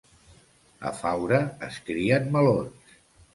A Faura es crien melons.